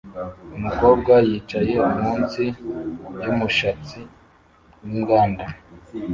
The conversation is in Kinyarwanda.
Umukobwa yicaye munsi yumushatsi winganda